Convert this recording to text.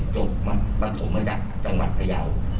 จบมาพรรถมจากจังหวัดไทยาว